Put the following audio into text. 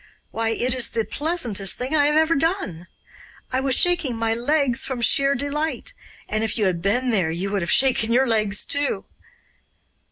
Why, it is the pleasantest thing I have ever done. I was shaking my legs from sheer delight, and if you had been there you would have shaken your legs too.